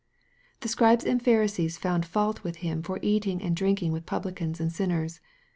The Scribes and Pharisees found fault with Him for eating and drinking with publicans and sinners.